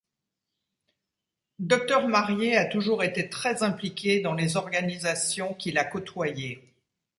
Dr Marier a toujours été très impliqué dans les organisations qu'il a côtoyées.